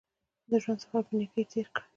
د ژوند سفر په نېکۍ تېر کړئ.